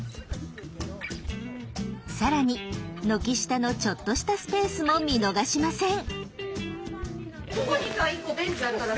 更に軒下のちょっとしたスペースも見逃しません。